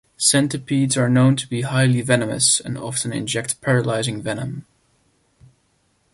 Centipedes are known to be highly venomous, and often inject paralyzing venom.